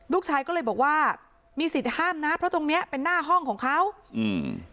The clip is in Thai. ลูกชายก็เลยบอกว่ามีสิทธิ์ห้ามนะเพราะตรงเนี้ยเป็นหน้าห้องของเขาอืม